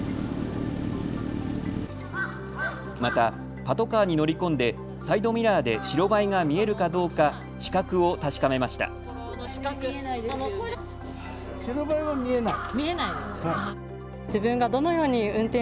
また、パトカーに乗り込んでサイドミラーで白バイが見えるかどうか死角を確かめました。